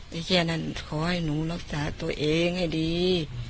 แค่นั้นขอให้หนูรักษาตัวเองให้ดี